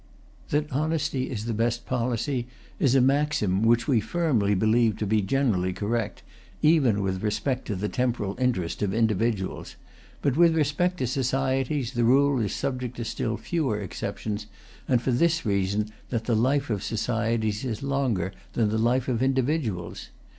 That honesty is the best policy is a maxim which we firmly believe to be generally correct, even with respect to the temporal interest of individuals; but with respect to societies, the rule is subject to still fewer exceptions, and that for this reason, that the life of societies is longer than the life of individuals.